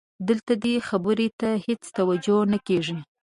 دلته دې خبرې ته هېڅ توجه نه کېږي.